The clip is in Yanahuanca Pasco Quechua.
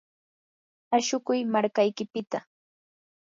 ashukuy markaykipita.